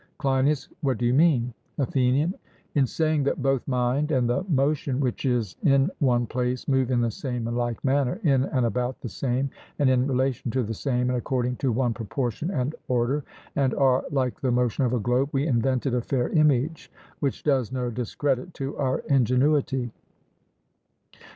CLEINIAS: What do you mean? ATHENIAN: In saying that both mind and the motion which is in one place move in the same and like manner, in and about the same, and in relation to the same, and according to one proportion and order, and are like the motion of a globe, we invented a fair image, which does no discredit to our ingenuity.